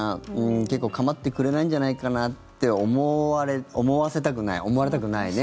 結構、構ってくれないんじゃないかなって思わせたくない思われたくないね。